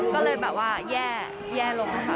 ก็เลยแบบว่าแย่ลงค่ะ